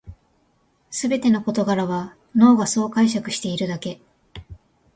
すべての事柄は脳がそう解釈しているだけ